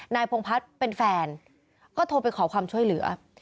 พงพัฒน์เป็นแฟนก็โทรไปขอความช่วยเหลือ